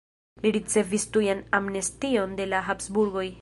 Li ricevis tujan amnestion de la Habsburgoj.